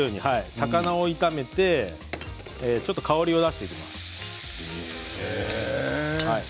高菜を炒めてちょっと香りを出します。